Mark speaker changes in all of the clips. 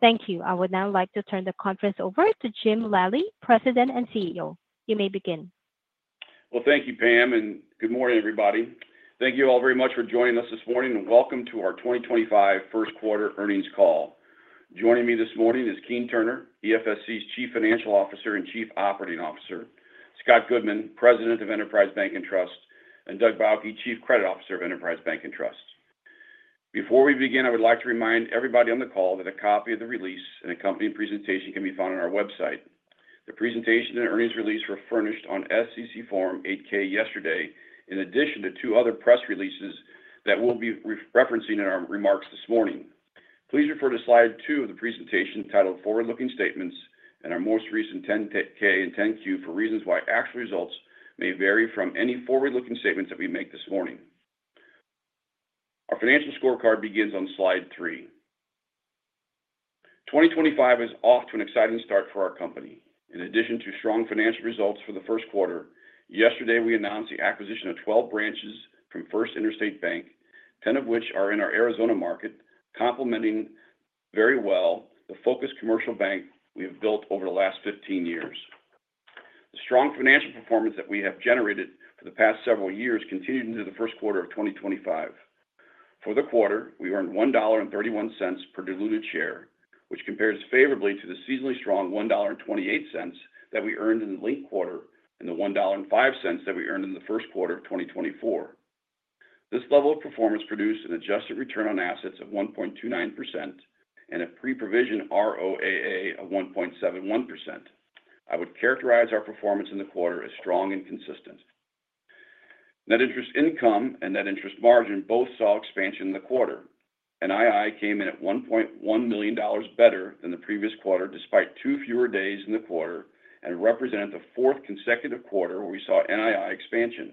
Speaker 1: Thank you. I would now like to turn the conference over to Jim Lally, President and CEO. You may begin.
Speaker 2: Thank you, Pam, and good morning, everybody. Thank you all very much for joining us this morning, and welcome to our 2025 First Quarter Earnings Call. Joining me this morning is Keene Turner, EFSC's Chief Financial Officer and Chief Operating Officer; Scott Goodman, President of Enterprise Bank & Trust; and Doug Bauche, Chief Credit Officer of Enterprise Bank & Trust. Before we begin, I would like to remind everybody on the call that a copy of the release and accompanying presentation can be found on our website. The presentation and earnings release were furnished on SEC Form 8K yesterday, in addition to two other press releases that we'll be referencing in our remarks this morning. Please refer to Slide 2 of the presentation titled "Forward-Looking Statements" and our most recent 10K and 10Q for reasons why actual results may vary from any forward-looking statements that we make this morning. Our financial scorecard begins on Slide 3. 2025 is off to an exciting start for our company. In addition to strong financial results for the first quarter, yesterday we announced the acquisition of 12 branches from First Interstate Bank, 10 of which are in our Arizona market, complementing very well the focused commercial bank we have built over the last 15 years. The strong financial performance that we have generated for the past several years continued into the first quarter of 2025. For the quarter, we earned $1.31 per diluted share, which compares favorably to the seasonally strong $1.28 that we earned in the linked quarter and the $1.05 that we earned in the first quarter of 2024. This level of performance produced an adjusted return on assets of 1.29% and a pre-provision ROAA of 1.71%. I would characterize our performance in the quarter as strong and consistent. Net interest income and net interest margin both saw expansion in the quarter. NII came in at $1.1 million better than the previous quarter, despite two fewer days in the quarter, and represented the fourth consecutive quarter where we saw NII expansion.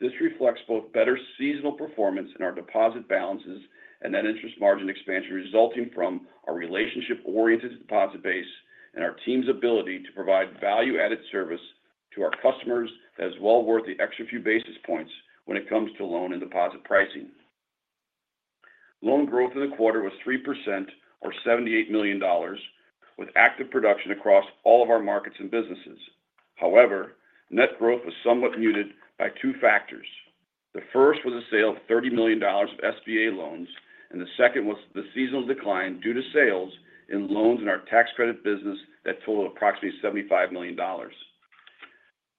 Speaker 2: This reflects both better seasonal performance in our deposit balances and net interest margin expansion resulting from our relationship-oriented deposit base and our team's ability to provide value-added service to our customers that is well worth the extra few basis points when it comes to loan and deposit pricing. Loan growth in the quarter was 3%, or $78 million, with active production across all of our markets and businesses. However, net growth was somewhat muted by two factors. The first was the sale of $30 million of SBA loans, and the second was the seasonal decline due to sales in loans in our tax credit business that totaled approximately $75 million.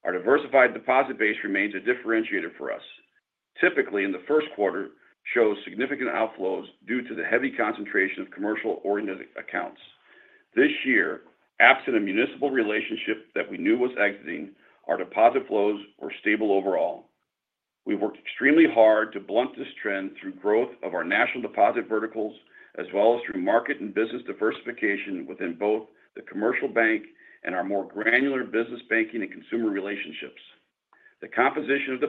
Speaker 2: Our diversified deposit base remains a differentiator for us. Typically, in the first quarter, we showed significant outflows due to the heavy concentration of commercial-oriented accounts. This year, absent a municipal relationship that we knew was exiting, our deposit flows were stable overall. We've worked extremely hard to blunt this trend through growth of our national deposit verticals, as well as through market and business diversification within both the commercial bank and our more granular business banking and consumer relationships. The composition of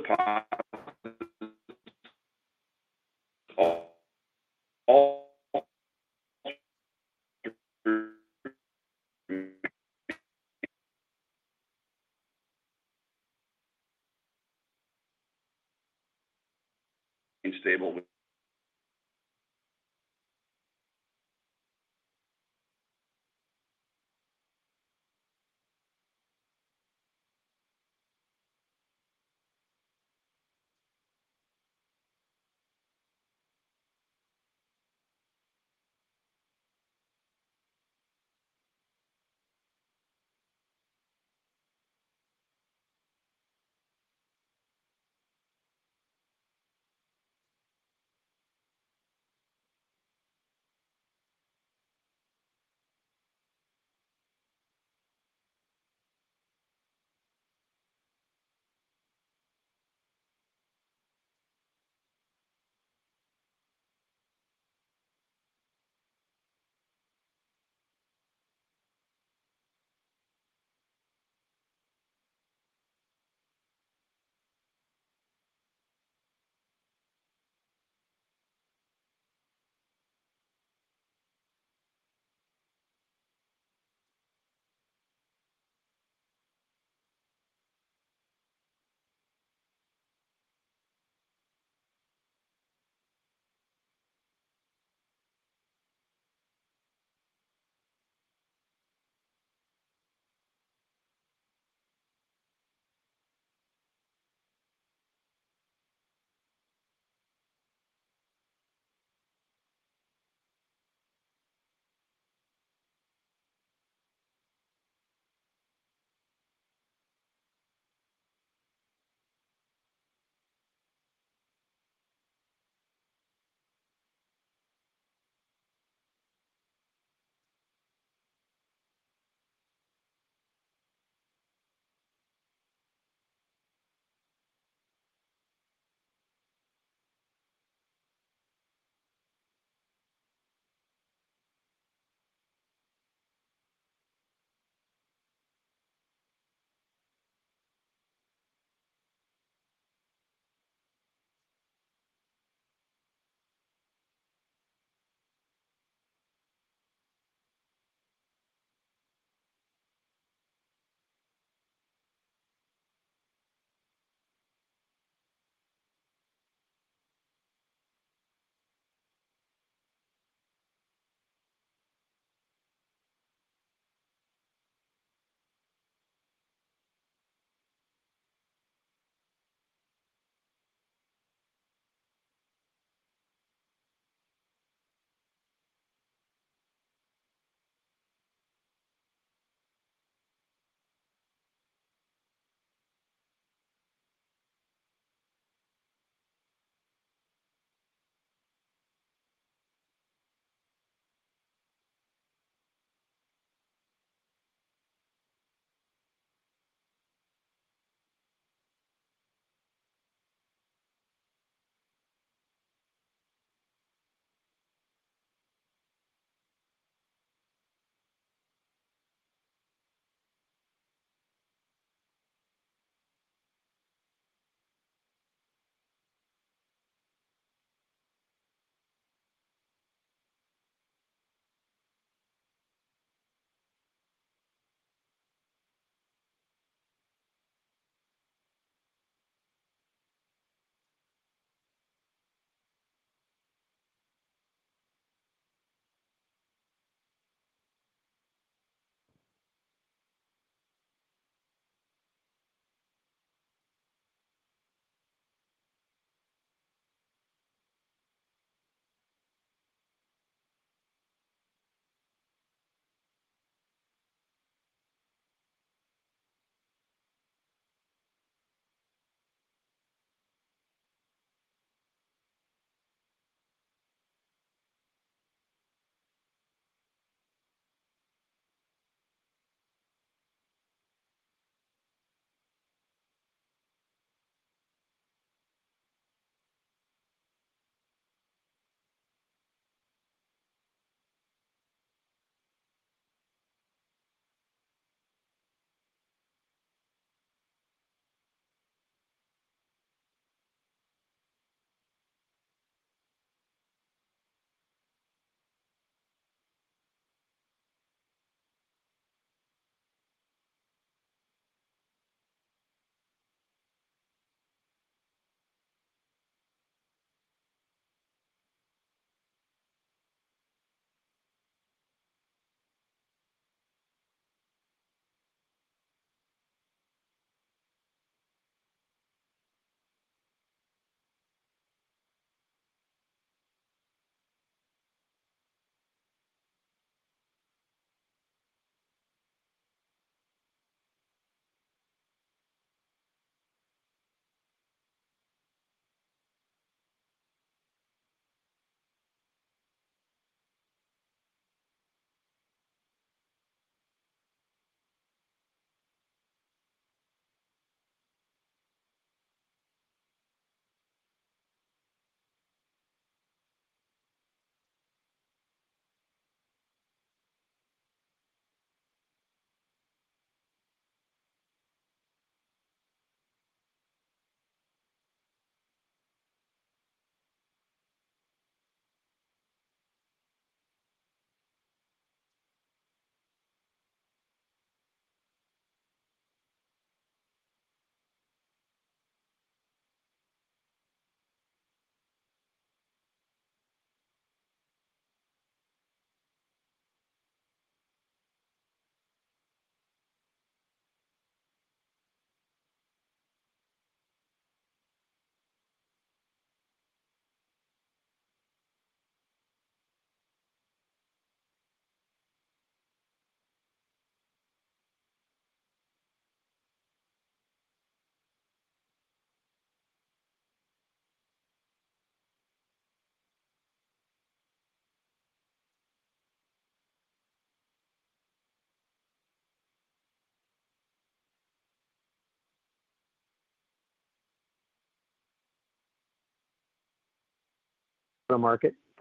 Speaker 2: deposits [inaudible]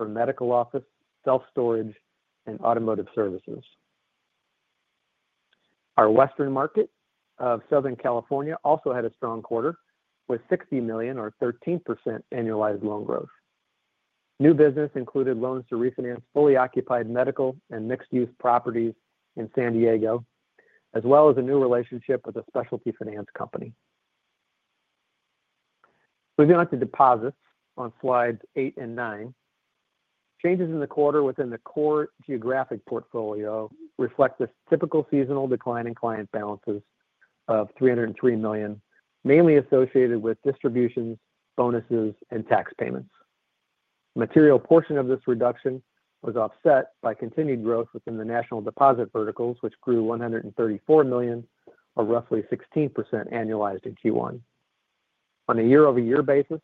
Speaker 3: Our western market of Southern California also had a strong quarter with $60 million, or 13% annualized loan growth. New business included loans to refinance fully occupied medical and mixed-use properties in San Diego, as well as a new relationship with a specialty finance company. Moving on to deposits on Slides 8 and 9, changes in the quarter within the core geographic portfolio reflect the typical seasonal decline in client balances of $303 million, mainly associated with distributions, bonuses, and tax payments. The material portion of this reduction was offset by continued growth within the national deposit verticals, which grew $134 million, or roughly 16% annualized in Q1. On a year-over-year basis,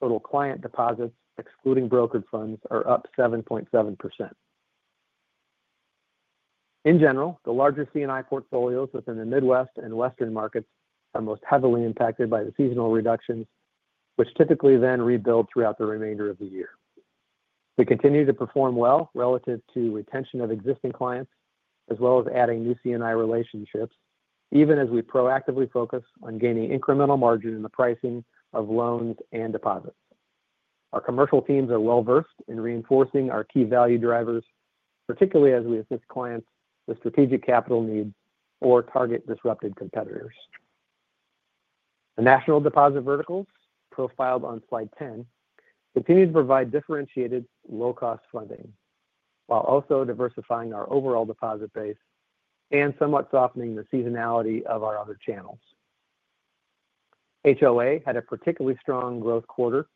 Speaker 3: total client deposits, excluding brokerage funds, are up 7.7%. In general, the larger C&I portfolios within the Midwest and western markets are most heavily impacted by the seasonal reductions, which typically then rebuild throughout the remainder of the year. We continue to perform well relative to retention of existing clients, as well as adding new C&I relationships, even as we proactively focus on gaining incremental margin in the pricing of loans and deposits. Our commercial teams are well versed in reinforcing our key value drivers, particularly as we assist clients with strategic capital needs or target disrupted competitors. The national deposit verticals, profiled on Slide 10, continue to provide differentiated low-cost funding, while also diversifying our overall deposit base and somewhat softening the seasonality of our other channels. HOA had a particularly strong growth quarter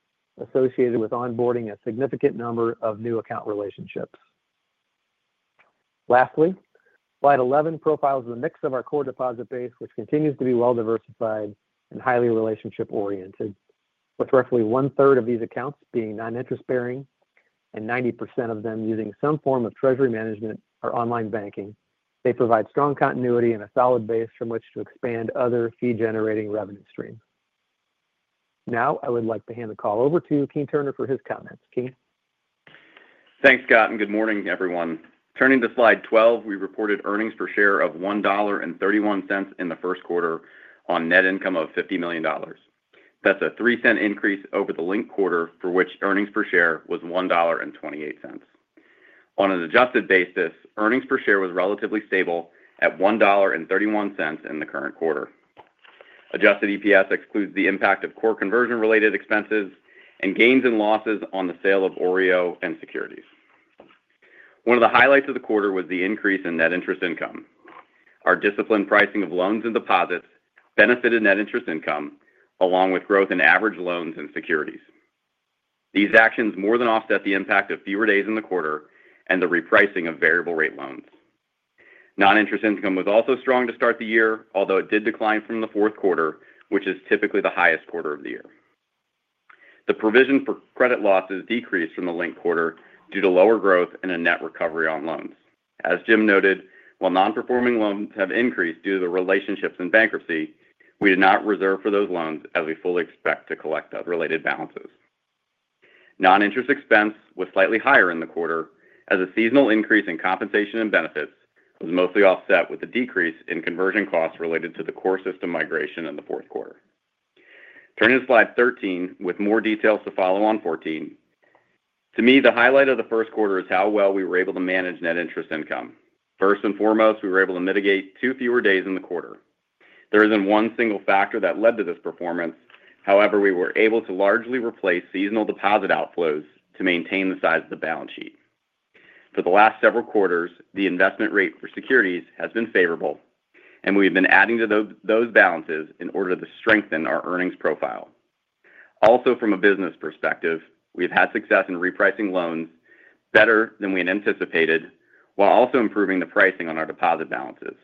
Speaker 3: associated with onboarding a significant number of new account relationships. Lastly, Slide 11 profiles the mix of our core deposit base, which continues to be well diversified and highly relationship-oriented, with roughly one-third of these accounts being non-interest-bearing and 90% of them using some form of treasury management or online banking. They provide strong continuity and a solid base from which to expand other fee-generating revenue streams. Now, I would like to hand the call over to Keene Turner for his comments. Keene?
Speaker 4: Thanks, Scott, and good morning, everyone. Turning to Slide 12, we reported earnings per share of $1.31 in the first quarter on net income of $50 million. That's a 3% increase over the linked quarter, for which earnings per share was $1.28. On an adjusted basis, earnings per share was relatively stable at $1.31 in the current quarter. Adjusted EPS excludes the impact of core conversion-related expenses and gains and losses on the sale of OREO and securities. One of the highlights of the quarter was the increase in net interest income. Our disciplined pricing of loans and deposits benefited net interest income, along with growth in average loans and securities. These actions more than offset the impact of fewer days in the quarter and the repricing of variable-rate loans. Non-interest income was also strong to start the year, although it did decline from the fourth quarter, which is typically the highest quarter of the year. The provision for credit losses decreased from the linked quarter due to lower growth and a net recovery on loans. As Jim noted, while non-performing loans have increased due to the relationships in bankruptcy, we did not reserve for those loans as we fully expect to collect related balances. Non-interest expense was slightly higher in the quarter, as a seasonal increase in compensation and benefits was mostly offset with a decrease in conversion costs related to the core system migration in the fourth quarter. Turning to Slide 13, with more details to follow on 14, to me, the highlight of the first quarter is how well we were able to manage net interest income. First and foremost, we were able to mitigate two fewer days in the quarter. There isn't one single factor that led to this performance; however, we were able to largely replace seasonal deposit outflows to maintain the size of the balance sheet. For the last several quarters, the investment rate for securities has been favorable, and we have been adding to those balances in order to strengthen our earnings profile. Also, from a business perspective, we have had success in repricing loans better than we had anticipated, while also improving the pricing on our deposit balances.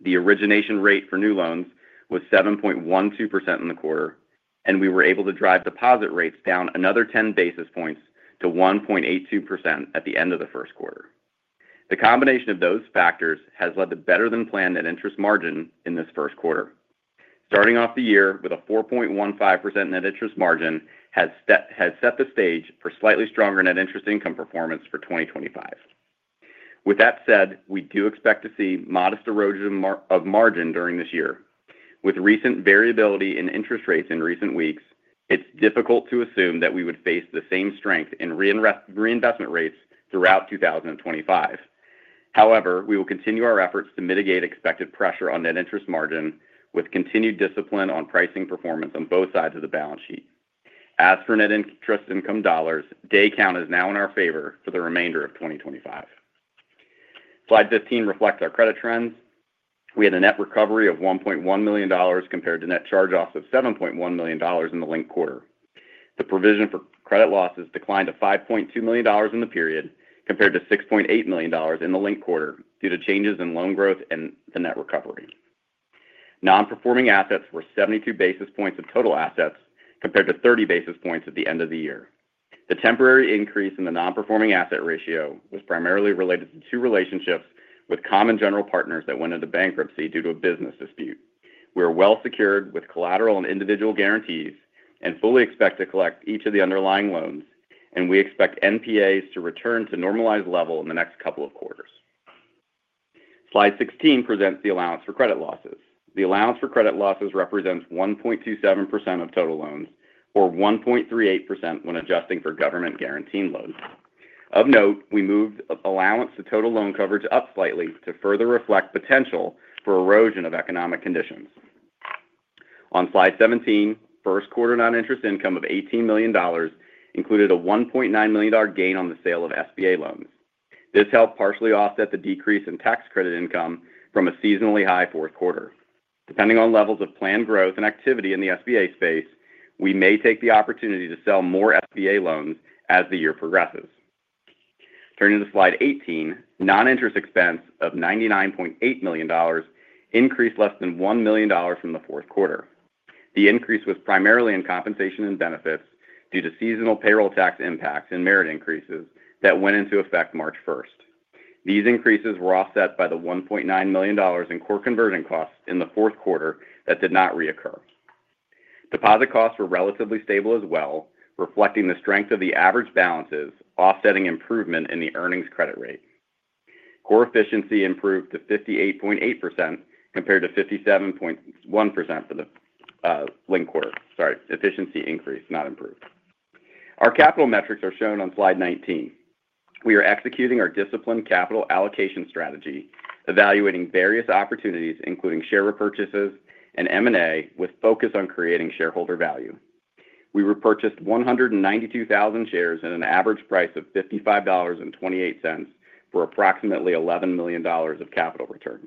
Speaker 4: The origination rate for new loans was 7.12% in the quarter, and we were able to drive deposit rates down another 10 basis points to 1.82% at the end of the first quarter. The combination of those factors has led to better-than-planned net interest margin in this first quarter. Starting off the year with a 4.15% net interest margin has set the stage for slightly stronger net interest income performance for 2025. With that said, we do expect to see modest erosion of margin during this year. With recent variability in interest rates in recent weeks, it's difficult to assume that we would face the same strength in reinvestment rates throughout 2025. However, we will continue our efforts to mitigate expected pressure on net interest margin, with continued discipline on pricing performance on both sides of the balance sheet. As for net interest income dollars, day count is now in our favor for the remainder of 2025. Slide 15 reflects our credit trends. We had a net recovery of $1.1 million compared to net charge-offs of $7.1 million in the link quarter. The provision for credit losses declined to $5.2 million in the period, compared to $6.8 million in the link quarter due to changes in loan growth and the net recovery. Non-performing assets were 72 basis points of total assets, compared to 30 basis points at the end of the year. The temporary increase in the non-performing asset ratio was primarily related to two relationships with common general partners that went into bankruptcy due to a business dispute. We are well secured with collateral and individual guarantees and fully expect to collect each of the underlying loans, and we expect NPAs to return to normalized level in the next couple of quarters. Slide 16 presents the allowance for credit losses. The allowance for credit losses represents 1.27% of total loans, or 1.38% when adjusting for government guarantee loans. Of note, we moved allowance to total loan coverage up slightly to further reflect potential for erosion of economic conditions. On Slide 17, first quarter non-interest income of $18 million included a $1.9 million gain on the sale of SBA loans. This helped partially offset the decrease in tax credit income from a seasonally high fourth quarter. Depending on levels of planned growth and activity in the SBA space, we may take the opportunity to sell more SBA loans as the year progresses. Turning to Slide 18, non-interest expense of $99.8 million increased less than $1 million from the fourth quarter. The increase was primarily in compensation and benefits due to seasonal payroll tax impacts and merit increases that went into effect March 1st. These increases were offset by the $1.9 million in core conversion costs in the fourth quarter that did not reoccur. Deposit costs were relatively stable as well, reflecting the strength of the average balances, offsetting improvement in the earnings credit rate. Core efficiency improved to 58.8% compared to 57.1% for the link quarter. Sorry, efficiency increased, not improved. Our capital metrics are shown on Slide 19. We are executing our disciplined capital allocation strategy, evaluating various opportunities, including share repurchases and M&A, with focus on creating shareholder value. We repurchased 192,000 shares at an average price of $55.28 for approximately $11 million of capital return.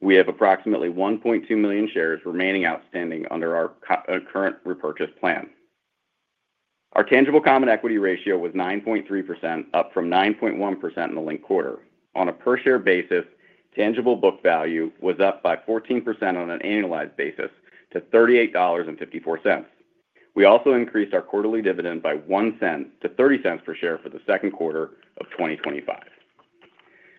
Speaker 4: We have approximately 1.2 million shares remaining outstanding under our current repurchase plan. Our tangible common equity ratio was 9.3%, up from 9.1% in the link quarter. On a per-share basis, tangible book value was up by 14% on an annualized basis to $38.54. We also increased our quarterly dividend by 1 cent to $0.30 per share for the second quarter of 2025.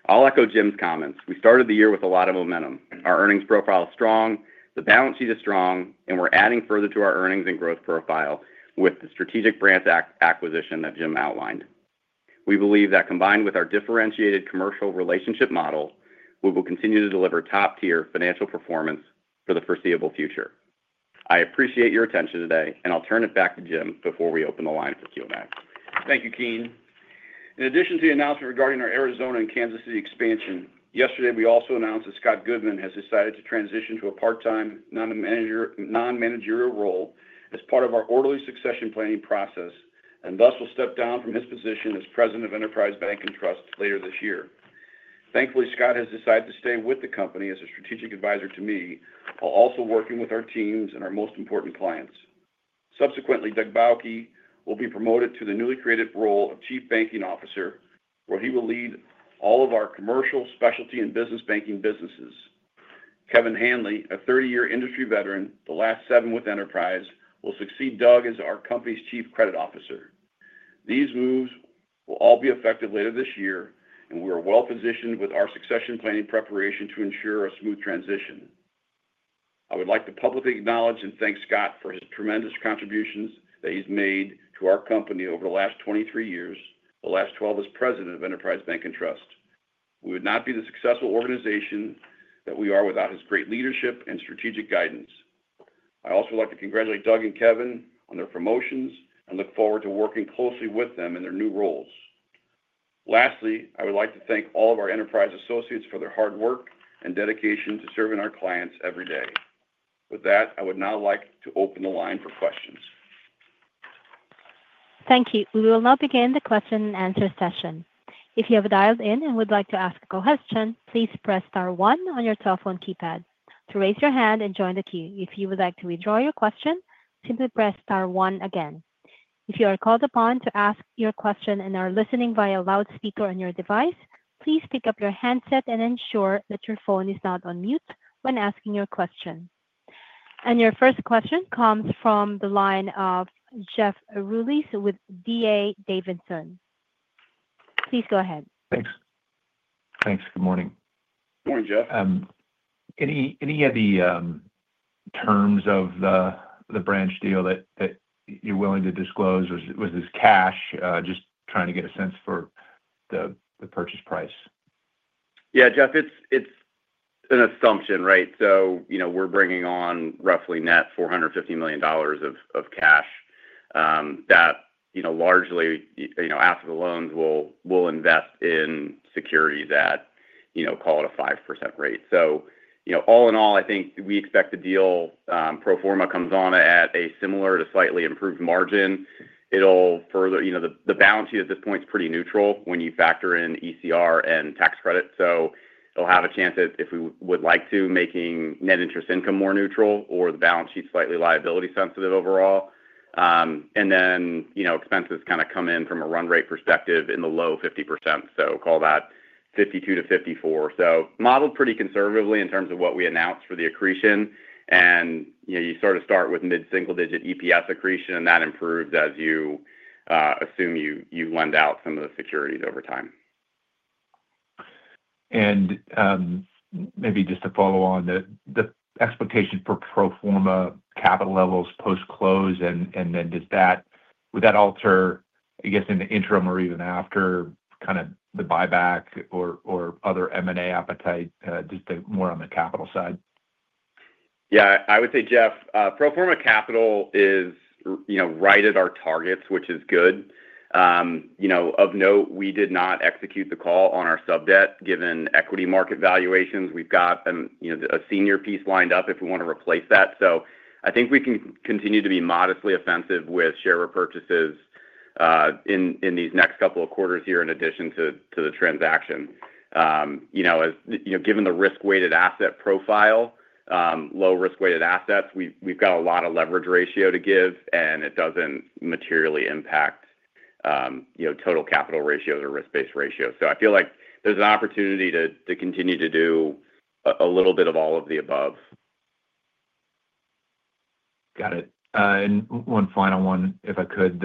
Speaker 4: I'll echo Jim's comments. We started the year with a lot of momentum. Our earnings profile is strong, the balance sheet is strong, and we're adding further to our earnings and growth profile with the strategic branch acquisition that Jim outlined. We believe that combined with our differentiated commercial relationship model, we will continue to deliver top-tier financial performance for the foreseeable future. I appreciate your attention today, and I'll turn it back to Jim before we open the line for Q&A.
Speaker 2: Thank you, Keene. In addition to the announcement regarding our Arizona and Kansas City expansion, yesterday we also announced that Scott Goodman has decided to transition to a part-time non-managerial role as part of our orderly succession planning process, and thus will step down from his position as President of Enterprise Bank & Trust later this year. Thankfully, Scott has decided to stay with the company as a strategic advisor to me, while also working with our teams and our most important clients. Subsequently, Doug Bauche will be promoted to the newly created role of Chief Banking Officer, where he will lead all of our commercial, specialty, and business banking businesses. Kevin Hanley, a 30-year industry veteran, the last seven with Enterprise, will succeed Doug as our company's Chief Credit Officer. These moves will all be effective later this year, and we are well positioned with our succession planning preparation to ensure a smooth transition. I would like to publicly acknowledge and thank Scott for his tremendous contributions that he's made to our company over the last 23 years, the last 12 as President of Enterprise Bank & Trust. We would not be the successful organization that we are without his great leadership and strategic guidance. I also would like to congratulate Doug and Kevin on their promotions and look forward to working closely with them in their new roles. Lastly, I would like to thank all of our Enterprise associates for their hard work and dedication to serving our clients every day. With that, I would now like to open the line for questions.
Speaker 1: Thank you. We will now begin the question-and-answer session. If you have dialed in and would like to ask a question, please press star 1 on your cell phone keypad. To raise your hand and join the queue, if you would like to withdraw your question, simply press star 1 again. If you are called upon to ask your question and are listening via loudspeaker on your device, please pick up your handset and ensure that your phone is not on mute when asking your question. Your first question comes from the line of Jeff Rulis with DA Davidson. Please go ahead. Thanks. Thanks. Good morning. Good morning, Jeff. Any of the terms of the branch deal that you're willing to disclose? Was this cash? Just trying to get a sense for the purchase price.
Speaker 4: Yeah, Jeff, it's an assumption, right? We're bringing on roughly net $450 million of cash that largely, after the loans, we'll invest in securities at, call it, a 5% rate. All in all, I think we expect the deal pro forma comes on at a similar to slightly improved margin. It'll further the balance sheet at this point is pretty neutral when you factor in ECR and tax credit. It'll have a chance, if we would like to, making net interest income more neutral or the balance sheet slightly liability-sensitive overall. Expenses kind of come in from a run rate perspective in the low 50%. Call that 52-54%. Modeled pretty conservatively in terms of what we announced for the accretion. You sort of start with mid-single-digit EPS accretion, and that improves as you assume you lend out some of the securities over time. Maybe just to follow on, the expectation for pro forma capital levels post-close, and then would that alter, I guess, in the interim or even after kind of the buyback or other M&A appetite, just more on the capital side? Yeah, I would say, Jeff, pro forma capital is right at our targets, which is good. Of note, we did not execute the call on our sub debt given equity market valuations. We've got a senior piece lined up if we want to replace that. I think we can continue to be modestly offensive with share repurchases in these next couple of quarters here in addition to the transaction. Given the risk-weighted asset profile, low risk-weighted assets, we've got a lot of leverage ratio to give, and it doesn't materially impact total capital ratios or risk-based ratios. I feel like there's an opportunity to continue to do a little bit of all of the above. Got it. And one final one, if I could.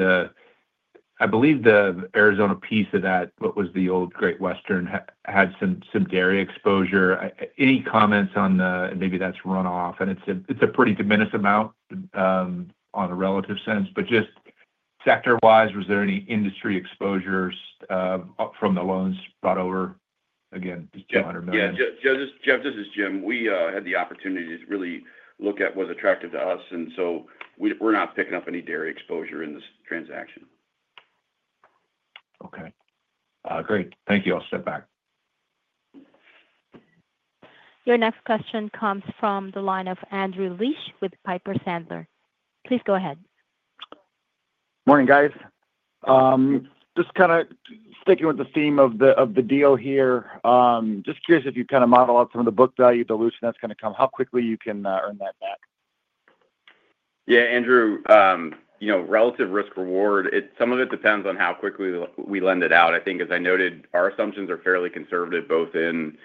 Speaker 4: I believe the Arizona piece of that, what was the old Great Western, had some dairy exposure. Any comments on the—and maybe that's run off, and it's a pretty diminished amount on a relative sense, but just sector-wise, was there any industry exposures from the loans brought over? Again, just $200 million.
Speaker 2: Yeah. Jeff, this is Jim. We had the opportunity to really look at what's attractive to us, and so we're not picking up any dairy exposure in this transaction. Okay. Great. Thank you. I'll step back.
Speaker 1: Your next question comes from the line of Andrew Liesch with Piper Sandler. Please go ahead. Morning, guys. Just kind of sticking with the theme of the deal here, just curious if you kind of model out some of the book value, dilution that's going to come how quickly you can earn that back.
Speaker 4: Yeah, Andrew, relative risk-reward, some of it depends on how quickly we lend it out. I think, as I noted, our assumptions are fairly conservative, both in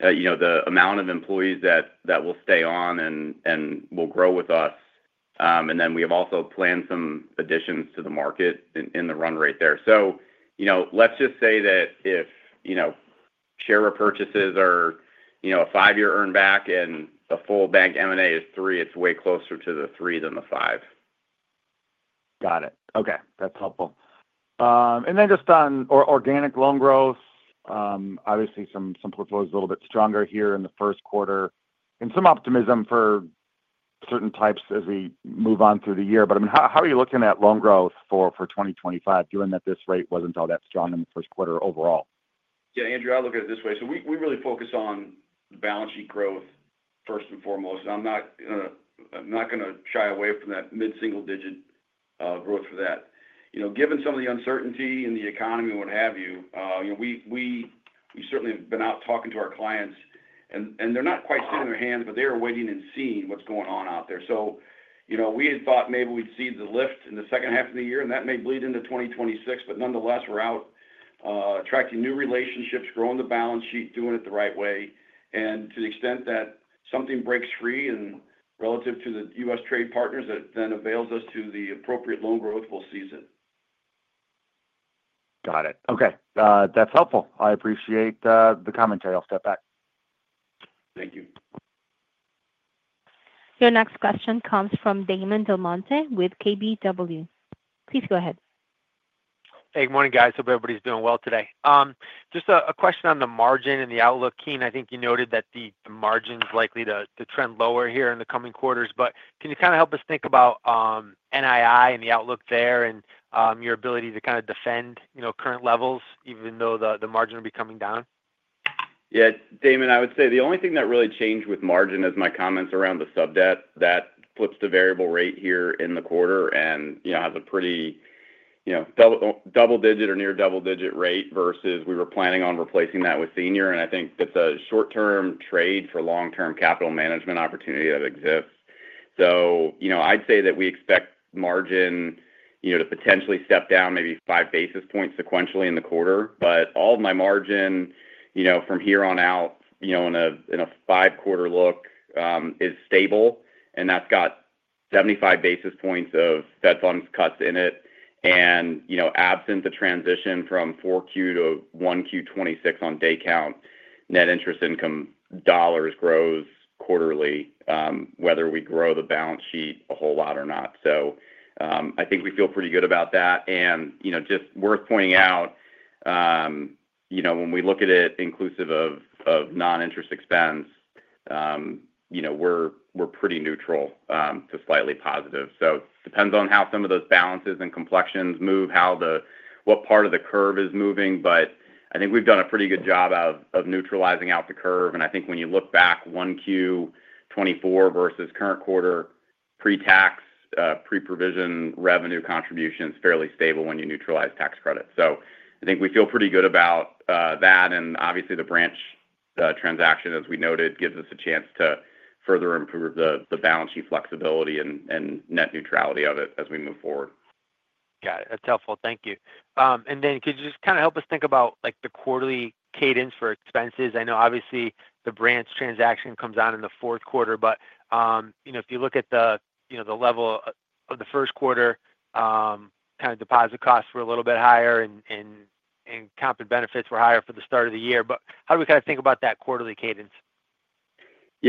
Speaker 4: the amount of employees that will stay on and will grow with us. And then we have also planned some additions to the market in the run rate there. Let's just say that if share repurchases are a five-year earned back and the full bank M&A is three, it's way closer to the three than the five. Got it. Okay. That's helpful. Just on organic loan growth, obviously some portfolio is a little bit stronger here in the first quarter and some optimism for certain types as we move on through the year. I mean, how are you looking at loan growth for 2025, given that this rate was not all that strong in the first quarter overall?
Speaker 2: Yeah, Andrew, I'll look at it this way. We really focus on balance sheet growth first and foremost. I'm not going to shy away from that mid-single-digit growth for that. Given some of the uncertainty in the economy and what have you, we certainly have been out talking to our clients, and they're not quite sitting in their hands, but they are waiting and seeing what's going on out there. We had thought maybe we'd see the lift in the second half of the year, and that may bleed into 2026, but nonetheless, we're out attracting new relationships, growing the balance sheet, doing it the right way. To the extent that something breaks free relative to the U.S. trade partners that then avails us to the appropriate loan growth, we'll seize it. Got it. Okay. That's helpful. I appreciate the commentary. I'll step back. Thank you.
Speaker 1: Your next question comes from Damon DelMonte with KBW. Please go ahead. Hey, good morning, guys. Hope everybody's doing well today. Just a question on the margin and the outlook. Keene, I think you noted that the margin's likely to trend lower here in the coming quarters, but can you kind of help us think about NII and the outlook there and your ability to kind of defend current levels even though the margin will be coming down?
Speaker 4: Yeah. Damon, I would say the only thing that really changed with margin is my comments around the sub debt that flips to variable rate here in the quarter and has a pretty double-digit or near double-digit rate versus we were planning on replacing that with senior. I think it's a short-term trade for long-term capital management opportunity that exists. I would say that we expect margin to potentially step down maybe five basis points sequentially in the quarter, but all of my margin from here on out in a five-quarter look is stable, and that has 75 basis points of Fed funds cuts in it. Absent the transition from 4Q to 1Q 2026 on day count, net interest income dollars grows quarterly, whether we grow the balance sheet a whole lot or not. I think we feel pretty good about that. Just worth pointing out, when we look at it inclusive of non-interest expense, we are pretty neutral to slightly positive. It depends on how some of those balances and complexions move, what part of the curve is moving, but I think we have done a pretty good job of neutralizing out the curve. I think when you look back, 1Q24 versus current quarter, pre-tax, pre-provision revenue contribution is fairly stable when you neutralize tax credits. I think we feel pretty good about that. Obviously, the branch transaction, as we noted, gives us a chance to further improve the balance sheet flexibility and net neutrality of it as we move forward. Got it. That's helpful. Thank you. Could you just kind of help us think about the quarterly cadence for expenses? I know obviously the branch transaction comes out in the fourth quarter, but if you look at the level of the first quarter, kind of deposit costs were a little bit higher and comp and benefits were higher for the start of the year. How do we kind of think about that quarterly cadence?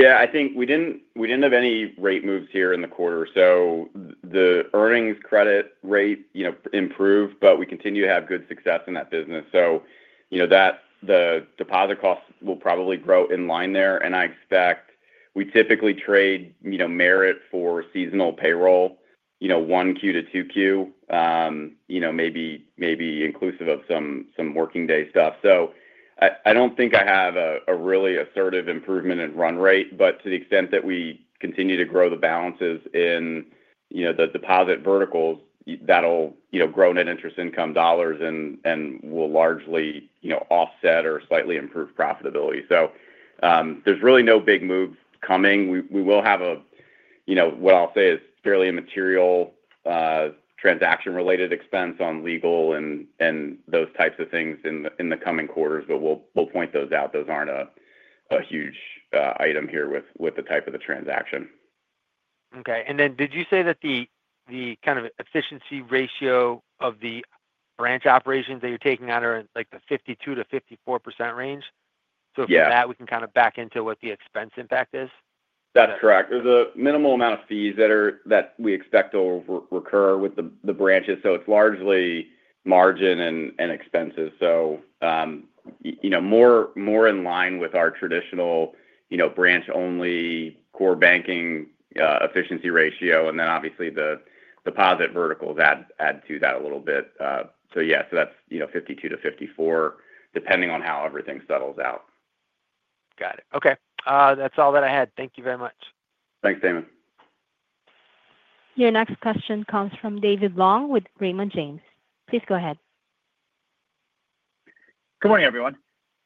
Speaker 4: I think we did not have any rate moves here in the quarter. The earnings credit rate improved, but we continue to have good success in that business. The deposit costs will probably grow in line there. I expect we typically trade merit for seasonal payroll, first quarter to second quarter, maybe inclusive of some working day stuff. I do not think I have a really assertive improvement in run rate, but to the extent that we continue to grow the balances in the deposit verticals, that will grow net interest income dollars and will largely offset or slightly improve profitability. There is really no big move coming. We will have what I will say is fairly immaterial transaction-related expense on legal and those types of things in the coming quarters, but we will point those out. Those are not a huge item here with the type of the transaction. Okay. Did you say that the kind of efficiency ratio of the branch operations that you're taking on are in the 52-54% range? If that, we can kind of back into what the expense impact is. That's correct. There's a minimal amount of fees that we expect to recur with the branches. It's largely margin and expenses. More in line with our traditional branch-only core banking efficiency ratio, and obviously the deposit verticals add to that a little bit. Yes, that's 52-54% depending on how everything settles out. Got it. Okay. That's all that I had. Thank you very much. Thanks, Damon.
Speaker 1: Your next question comes from David Long with Raymond James. Please go ahead. Good morning, everyone.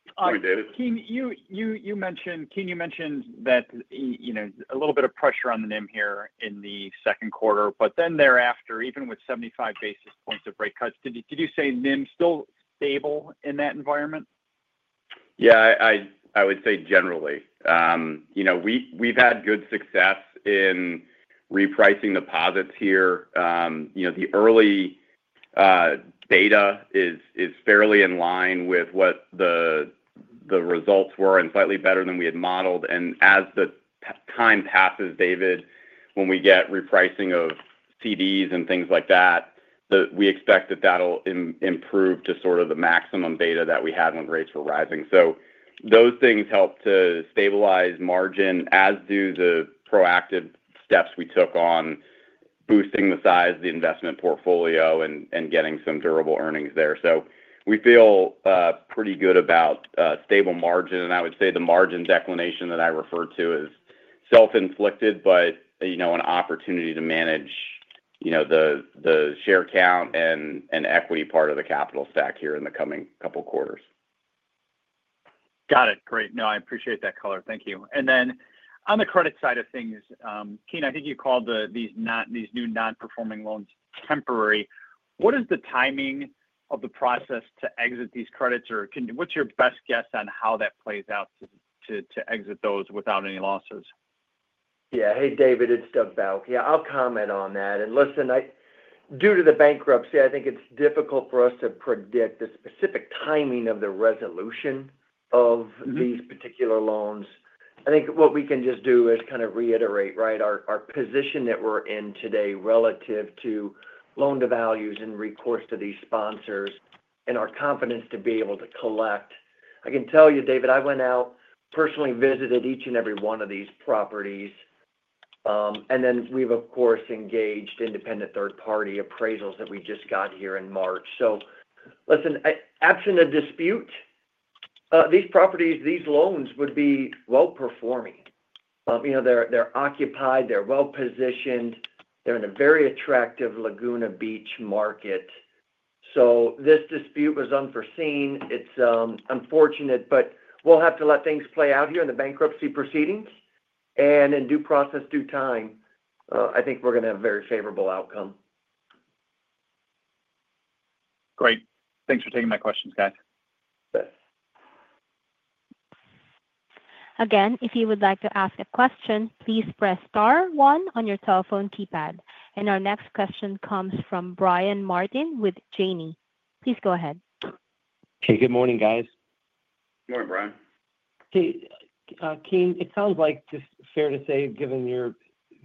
Speaker 4: Good morning, David. Keene, you mentioned that a little bit of pressure on the NIM here in the second quarter, but then thereafter, even with 75 basis points of rate cuts, did you say NIM still stable in that environment? Yeah, I would say generally. We've had good success in repricing deposits here. The early data is fairly in line with what the results were and slightly better than we had modeled. As the time passes, David, when we get repricing of CDs and things like that, we expect that that'll improve to sort of the maximum data that we had when rates were rising. Those things help to stabilize margin, as do the proactive steps we took on boosting the size of the investment portfolio and getting some durable earnings there. We feel pretty good about stable margin. I would say the margin declination that I referred to is self-inflicted, but an opportunity to manage the share count and equity part of the capital stack here in the coming couple of quarters. Got it. Great. No, I appreciate that color. Thank you. On the credit side of things, Keene, I think you called these new non-performing loans temporary. What is the timing of the process to exit these credits, or what's your best guess on how that plays out to exit those without any losses?
Speaker 5: Yeah. Hey, David, it's Doug Bauche. Yeah, I'll comment on that. Listen, due to the bankruptcy, I think it's difficult for us to predict the specific timing of the resolution of these particular loans. I think what we can just do is kind of reiterate, right, our position that we're in today relative to loan to values and recourse to these sponsors and our confidence to be able to collect. I can tell you, David, I went out, personally visited each and every one of these properties, and then we've, of course, engaged independent third-party appraisals that we just got here in March. Listen, absent a dispute, these properties, these loans would be well-performing. They're occupied, they're well-positioned, they're in a very attractive Laguna Beach market. This dispute was unforeseen. It's unfortunate, but we'll have to let things play out here in the bankruptcy proceedings. In due process, due time, I think we're going to have a very favorable outcome. Great. Thanks for taking my questions, guys.
Speaker 1: Again, if you would like to ask a question, please press star one on your telephone keypad. Our next question comes from Brian Martin with Janney. Please go ahead. Hey, good morning, guys.
Speaker 4: Good morning, Brian. Keene, it sounds like just fair to say, given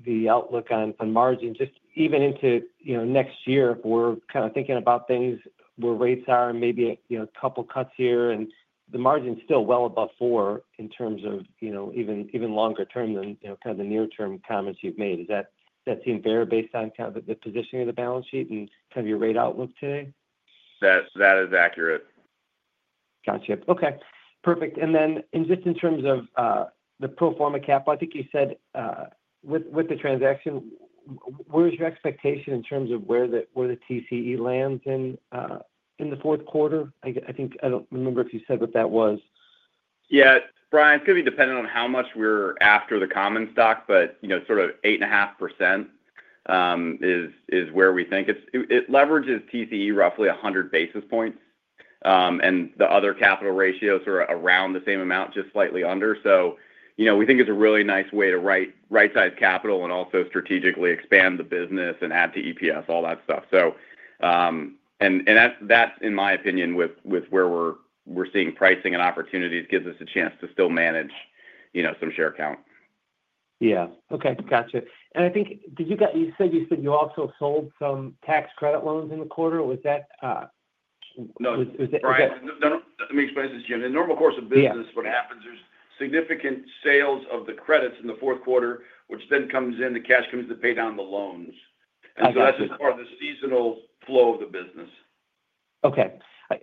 Speaker 4: the outlook on margin, just even into next year, if we're kind of thinking about things, where rates are and maybe a couple of cuts here, and the margin's still well above four in terms of even longer term than kind of the near-term comments you've made. Does that seem fair based on kind of the positioning of the balance sheet and kind of your rate outlook today? That is accurate. Gotcha. Okay. Perfect.Just in terms of the pro forma capital, I think you said with the transaction, where's your expectation in terms of where the TCE lands in the fourth quarter? I do not remember if you said what that was. Yeah. Brian, it is going to be dependent on how much we are after the common stock, but sort of 8.5% is where we think it is. It leverages TCE roughly 100 basis points, and the other capital ratios are around the same amount, just slightly under. We think it is a really nice way to right-size capital and also strategically expand the business and add to EPS, all that stuff. That is, in my opinion, with where we are seeing pricing and opportunities, gives us a chance to still manage some share count. Yeah. Okay. Gotcha. I think you said you also sold some tax credit loans in the quarter. Was that?
Speaker 2: No. Let me explain this to you. In the normal course of business, what happens is significant sales of the credits in the fourth quarter, which then comes in, the cash comes to pay down the loans. That is just part of the seasonal flow of the business. Okay.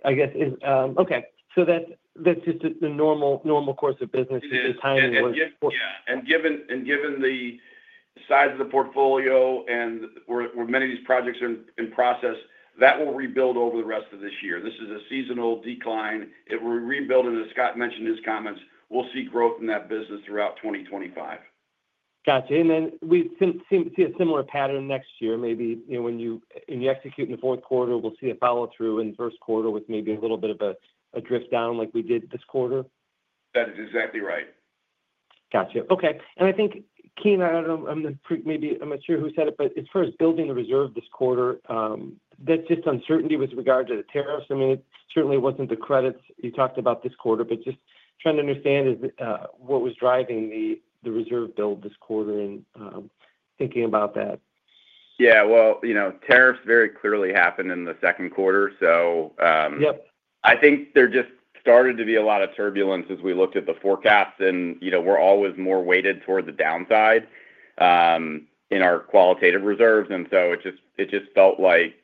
Speaker 2: I guess, okay. That is just the normal course of business, the timing was. Given the size of the portfolio and where many of these projects are in process, that will rebuild over the rest of this year. This is a seasonal decline. It will rebuild, and as Scott mentioned in his comments, we will see growth in that business throughout 2025. Gotcha. We see a similar pattern next year, maybe when you execute in the fourth quarter, we'll see a follow-through in the first quarter with maybe a little bit of a drift down like we did this quarter. That is exactly right. Gotcha. Okay. I think, Keene, I'm not sure who said it, but as far as building the reserve this quarter, that's just uncertainty with regard to the tariffs. I mean, it certainly wasn't the credits you talked about this quarter, but just trying to understand what was driving the reserve build this quarter and thinking about that.
Speaker 4: Yeah. Tariffs very clearly happened in the second quarter. I think there just started to be a lot of turbulence as we looked at the forecasts, and we're always more weighted toward the downside in our qualitative reserves. It just felt like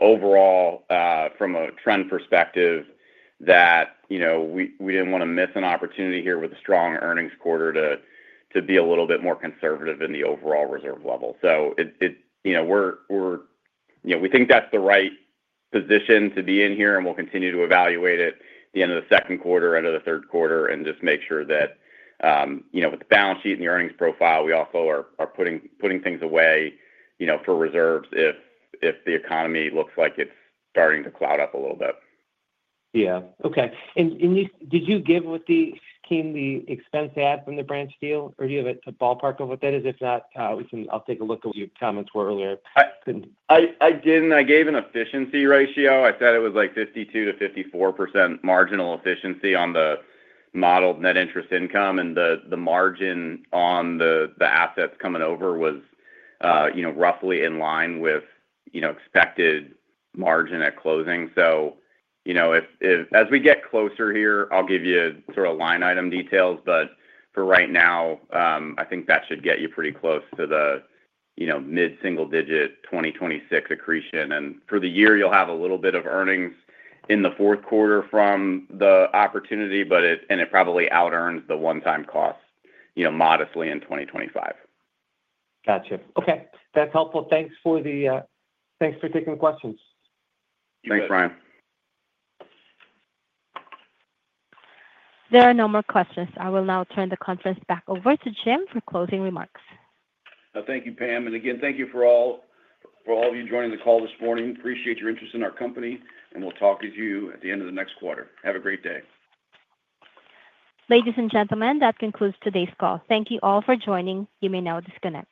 Speaker 4: overall, from a trend perspective, that we did not want to miss an opportunity here with a strong earnings quarter to be a little bit more conservative in the overall reserve level. We think that is the right position to be in here, and we will continue to evaluate it at the end of the second quarter, end of the third quarter, and just make sure that with the balance sheet and the earnings profile, we also are putting things away for reserves if the economy looks like it is starting to cloud up a little bit. Yeah. Okay. Did you give with the Keene the expense add from the branch deal, or do you have a ballpark of what that is? If not, I will take a look at what your comments were earlier. I did not. I gave an efficiency ratio. I said it was like 52-54% marginal efficiency on the modeled net interest income, and the margin on the assets coming over was roughly in line with expected margin at closing. As we get closer here, I'll give you sort of line item details, but for right now, I think that should get you pretty close to the mid-single-digit 2026 accretion. For the year, you'll have a little bit of earnings in the fourth quarter from the opportunity, and it probably out-earns the one-time cost modestly in 2025. Gotcha. Okay. That's helpful. Thanks for taking the questions. Thanks, Brian.
Speaker 1: There are no more questions. I will now turn the conference back over to Jim for closing remarks.
Speaker 2: Thank you, Pam. Again, thank you for all of you joining the call this morning. Appreciate your interest in our company, and we'll talk with you at the end of the next quarter. Have a great day.
Speaker 1: Ladies and gentlemen, that concludes today's call. Thank you all for joining. You may now disconnect.